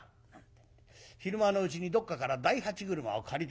昼間のうちにどっかから大八車を借りてくる。